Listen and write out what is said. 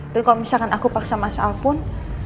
dan kalau misalkan aku paksa mas alpun